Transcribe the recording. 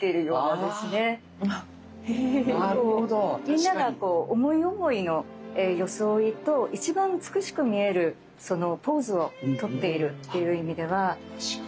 みんながこう思い思いの装いと一番美しく見えるポーズをとっているっていう意味では。